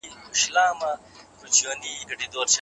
کله له نورو څخه لري والی د ځان پېژندنې لامل کېږي؟